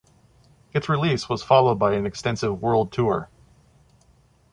Its release was followed by an extensive world tour.